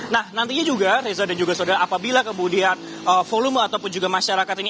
nah nantinya juga reza dan juga saudara apabila kemudian volume ataupun juga masyarakat ini